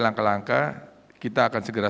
langkah langkah kita akan segera